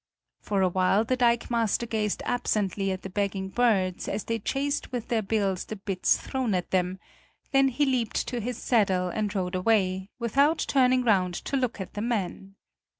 For a while the dikemaster gazed absently at the begging birds as they chased with their bills the bits thrown at them; then he leaped to his saddle and rode away, without turning round to look at the men.